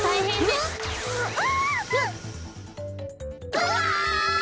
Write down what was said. うわ！